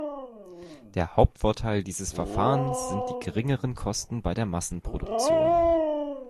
Der Hauptvorteil dieses Verfahrens sind die geringeren Kosten bei der Massenproduktion.